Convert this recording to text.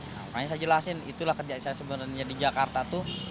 makanya saya jelasin itulah kerja saya sebenarnya di jakarta tuh